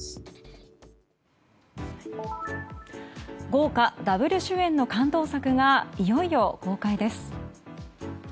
豪華ダブル主演の感動作がいよいよ公開です。